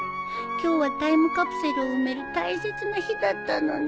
今日はタイムカプセルを埋める大切な日だったのに